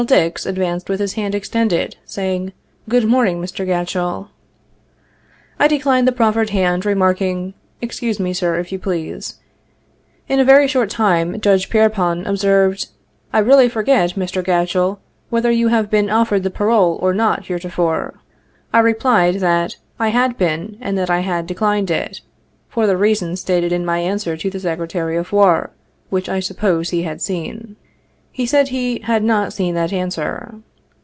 Dix advanced with his hand extended, saying, 'good morning, Mr. Gatchell.' I declined the proffered hand, remarking, 'excuse mc, Sir, if you please.' In a very short time, Judge Pierre pont observed, ' I really forget, Mr. Gatchell, whether you have been offered the parole or not, heretofore.' I replied, that '1 had been and that I had declined it, for the reasons stated in my answer to the Sec retary of War, which I supposed he had seen.' He said he ' had not seen that answer.'